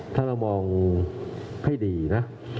ถ้าเรามองให้ดีนะ